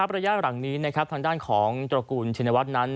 ระยะหลังนี้ทางด้านของตรงกลุ่มถิ่นนวัฒน์นั้น